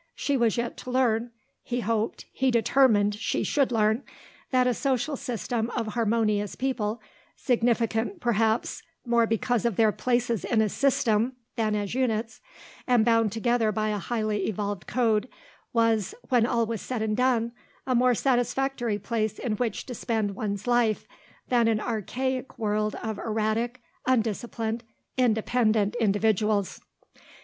She was yet to learn he hoped, he determined, she should learn that a social system of harmonious people, significant perhaps more because of their places in the system than as units, and bound together by a highly evolved code, was, when all was said and done, a more satisfactory place in which to spend one's life than an anarchic world of erratic, undisciplined, independent individuals.